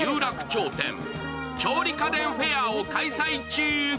調理家電フェアを開催中。